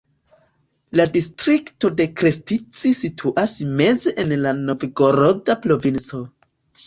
La distrikto de Krestci situas meze en la Novgoroda provinco.